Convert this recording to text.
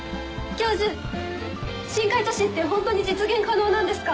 教授深海都市って本当に実現可能なんですか？